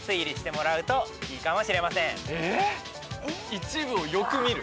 一部をよく見る。